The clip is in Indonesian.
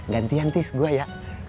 gantian tis gua ya